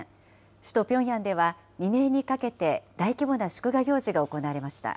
首都ピョンヤンでは、未明にかけて、大規模な祝賀行事が行われま